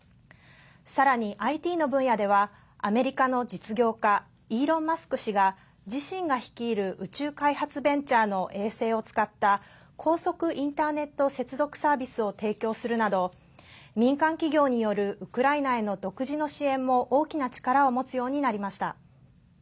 さらに、ＩＴの分野ではアメリカの実業家イーロン・マスク氏が自身が率いる宇宙開発ベンチャーの衛星を使った高速インターネット接続サービスを提供するなど民間企業によるウクライナへの独自の支援も大きな力を持つようになりました。